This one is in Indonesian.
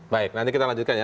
baik nanti kita lanjutkan ya